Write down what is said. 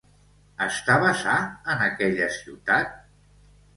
Estava sa en aquella ciutat?